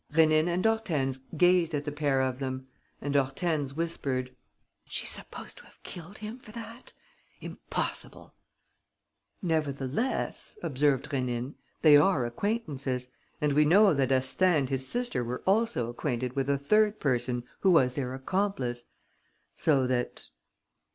Rénine and Hortense gazed at the pair of them: and Hortense whispered: "And she's supposed to have killed him for that? Impossible!" "Nevertheless," observed Rénine, "they are acquaintances; and we know that Astaing and his sister were also acquainted with a third person who was their accomplice. So that...."